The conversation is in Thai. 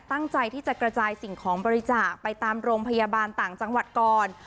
ตั้งใจที่จะกระจายสิ่งของบริจาคไปตามโรงพยาบาลต่างจังหวัดก่อน